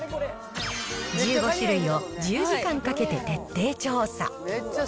１５種類を１０時間かけて徹底調査。